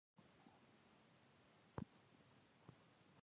د تعلیم له لارې، ټولنه ښه تنظیم کېږي.